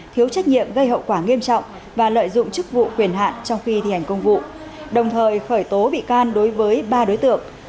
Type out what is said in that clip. thiếu trách nhiệm gây hậu quả nghiêm trọng và lợi dụng chức vụ quyền hạn trong khi thi hành công vụ đồng thời khởi tố bị can đối với ba đối tượng